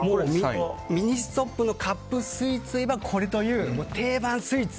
ミニストップのカップスイーツといえばこれという定番スイーツ